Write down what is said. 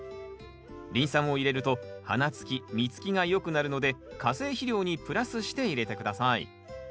リン酸を入れると花つき実つきがよくなるので化成肥料にプラスして入れて下さい。